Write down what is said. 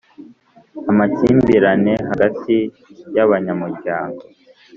Amakimbirane hagati y abanyamuryango